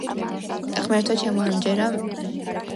ღმერთო ჩემო, არ მჯერა, რუჟს მაძლევ?